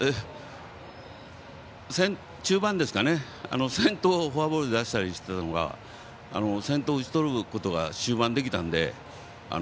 中盤先頭をフォアボールで出したりしていたのが先頭を打ち取ることが終盤、できたので。